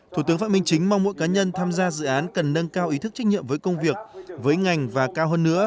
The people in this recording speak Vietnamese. thủ tướng phạm minh chính mong mỗi cá nhân tham gia dự án cần nâng cao ý thức trách nhiệm với công việc với ngành và cao hơn nữa